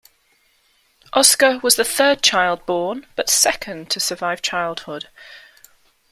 Oscar was the third child born but second to survive childhood.